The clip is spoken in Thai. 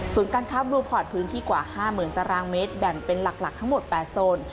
การค้าบลูพอร์ตพื้นที่กว่า๕๐๐๐ตารางเมตรแบ่งเป็นหลักทั้งหมด๘โซน